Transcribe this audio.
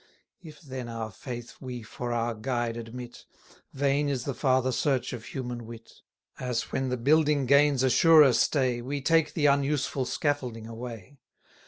If, then, our faith we for our guide admit, Vain is the farther search of human wit; As when the building gains a surer stay, We take the unuseful scaffolding away.